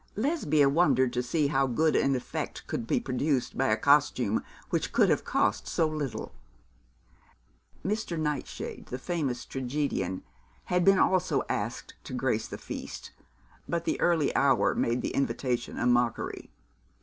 Lesbia wondered to see how good an effect could be produced by a costume which could have cost so little. Mr. Nightshade, the famous tragedian, had been also asked to grace the feast, but the early hour made the invitation a mockery.